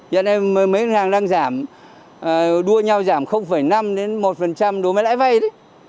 giờ này mấy ngân hàng đang giảm đua nhau giảm năm đến một đối với lãi vay đấy